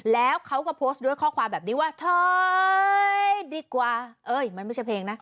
แล้วเขาก็โพสต์ด้วยข้อความแบบนี้ว่าถอยดีกว่าเอ้ยมันไม่ใช่เพลงนะ